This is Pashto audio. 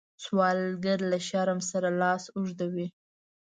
سوالګر له شرم سره لاس اوږدوي